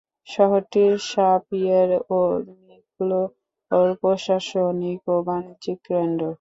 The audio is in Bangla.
শহরটি সাঁ পিয়ের ও মিকলোঁ-র প্রশাসনিক ও বাণিজ্যিক কেন্দ্র।